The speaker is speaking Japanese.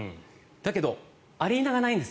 だけどアリーナがないんです